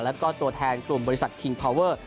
แล้วก็ตัวแทนกลุ่มบริษัทคิงพาวเวอร์